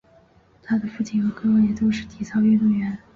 她的父亲和哥哥也都是体操运动员。